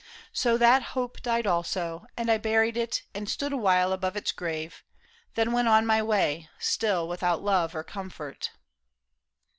So that hope Died also, and I buried it and stood Awhile above its grave, then went my way Still without love or comfort."